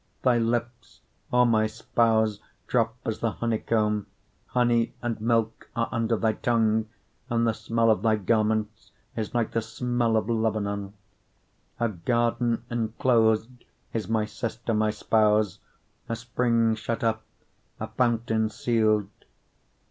4:11 Thy lips, O my spouse, drop as the honeycomb: honey and milk are under thy tongue; and the smell of thy garments is like the smell of Lebanon. 4:12 A garden inclosed is my sister, my spouse; a spring shut up, a fountain sealed.